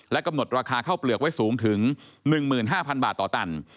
กำหนดราคาข้าวเปลือกไว้สูงถึง๑๕๐๐บาทต่อตัน